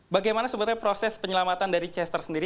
bagaimana sebenarnya proses penyelamatan dari chester sendiri